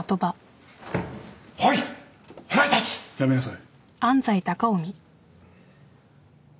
やめなさい。